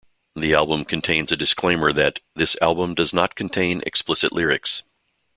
The album contains a disclaimer that 'This album does not contain explicit lyrics.